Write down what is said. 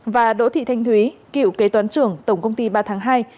và đỗ thị thanh thúy cựu kế toán trưởng tổng công ty ba tháng hai